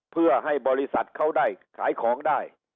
เพื่อให้บริษัทเขาได้ขายของได้